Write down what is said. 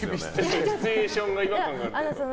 シチュエーションが違和感あるなって？